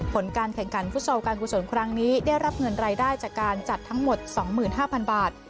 ผลการแข่งขันฟุตซอลการกุศลครั้งนี้ได้รับเงินรายได้จากการจัดทั้งหมด๒๕๐๐๐บาท